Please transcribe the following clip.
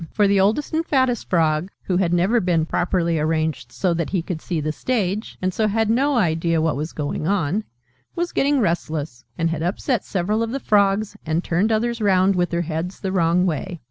For the oldest and fattest Frog who had never been properly arranged so that he could see the stage, and so had no idea what was going on was getting restless, and had upset several of the Frogs, and turned others round with their heads the wrong way.